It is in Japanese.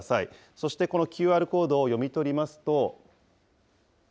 そしてこのＱＲコードを読み取りますと。